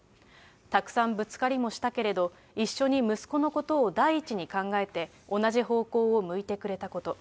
たくさんぶつかりもしたけれど、一緒に息子のことを第一に考えて、同じ方向を向いてくれたこと。